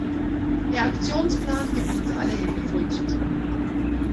Der Aktionsplan gibt uns alle Hände voll zu tun.